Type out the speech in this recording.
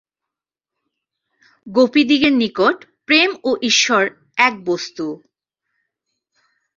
গোপীদিগের নিকট প্রেম ও ঈশ্বর এক বস্তু।